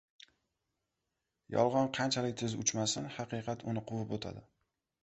• Yolg‘on qanchalik tez uchmasin, haqiqat uni quvib o‘tadi.